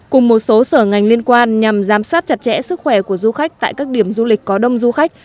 cùng một số sở ngành liên quan nhằm giám sát chặt chẽ sức khỏe của du khách tại các điểm du lịch có đông du khách